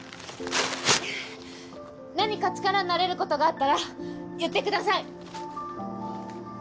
何か力になれることがあったら言ってください！